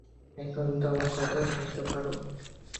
এখন তো আমার কথা শুনতে পারো?